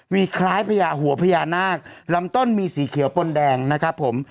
มีคล้ายพญาหัวพญานาคลำต้นมีสีเขียวปนแดงนะครับผม